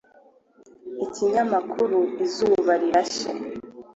Ikinyamakuru Izuba Rirashe